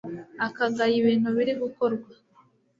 akagaya ibintu biri gukorwa